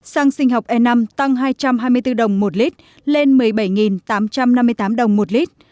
xăng sinh học e năm tăng hai trăm hai mươi bốn đồng một lít lên một mươi bảy tám trăm năm mươi tám đồng một lít